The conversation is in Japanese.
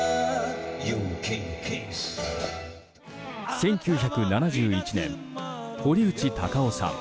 １９７１年、堀内孝雄さん